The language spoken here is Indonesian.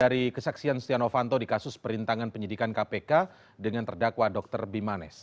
dari kesaksian setia novanto di kasus perintangan penyidikan kpk dengan terdakwa dr bimanes